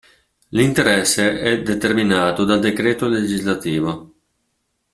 L'interesse è determinato dal d. Lgs.